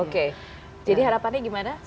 oke oke jadi harapannya gimana sekarang